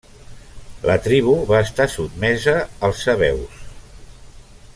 La tribu va estar sotmesa als sabeus.